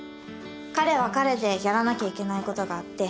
彼は彼でやらなきゃいけないことがあって。